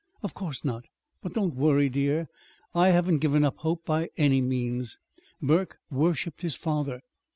"Of course not. But don't worry, dear. I haven't given up hope, by any means. Burke worshiped his father.